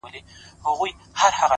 هڅاند ذهن نوې لارې مومي.!